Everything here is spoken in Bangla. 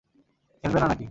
খেলবে না নাকি?